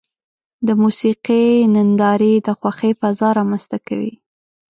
د موسیقۍ نندارې د خوښۍ فضا رامنځته کوي.